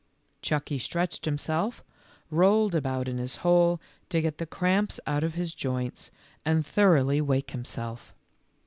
Chucky stretched himself, rolled about in his hole, to get the cramps out of his joints, and thoroughly wake himself.